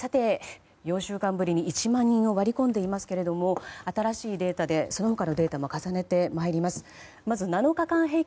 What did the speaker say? ４週間ぶりに１万人を割り込んでいますが新しいデータでその他のデータも重ねてまいります。